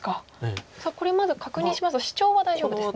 これまず確認しますとシチョウは大丈夫ですね。